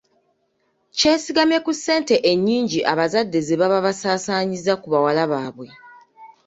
Kyesigamye ku ssente ennyingi abazadde ze baba basaasaanyizza ku bawala baabwe.